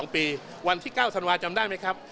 ๒ปีวันที่๙ธันวาจำได้ไหมครับ